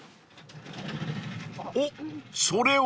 ［おっそれは？］